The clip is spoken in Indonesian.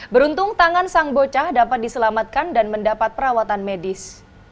beruntung tangan sang bocah dapat diselamatkan dan mendapat perawatan medis